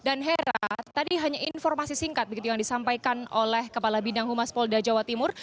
dan hera tadi hanya informasi singkat yang disampaikan oleh kepala bidang humas polda jawa timur